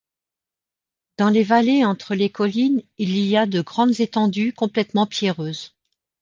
Dans les vallées entre les collines il y a de grandes étendues complètement pierreuses.